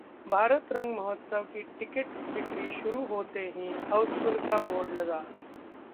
भारत रंग महोत्सव की टिकट बिक्री शुरू होते ही हाउसफुल का बोर्ड लगा